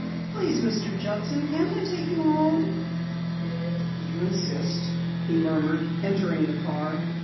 Please, Mr. Judson, can't I take you home?" "If you insist," he murmured, entering the car.